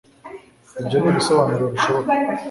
ibyo nibisobanuro bishoboka